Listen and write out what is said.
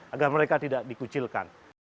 agar mereka tidak dikucilkan